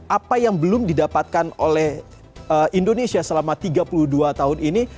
apa yang belum didapatkan oleh indonesia selama tiga puluh dua tahun ini